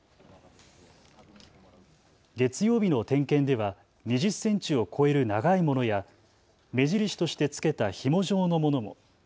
月曜日の点検では２０センチを超える長いものや目印として付けたひも状のものも。